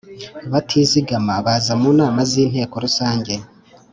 Batizigama baza mu nama z inteko rusange